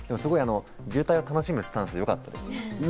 渋滞を楽しむスタンス、よかったですね。